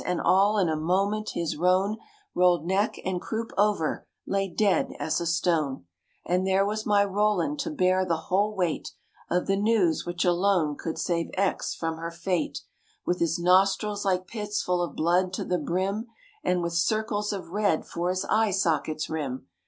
and all in a moment his roan Rolled neck and croup over, lay dead as a stone; And there was my Roland to bear the whole weight Of the news, which alone could save Aix from her fate, With his nostrils like pits full of blood to the brim, And with circles of red for his eye sockets' rim.